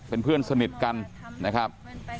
เป็นเพื่อนสนิทกันนะครับ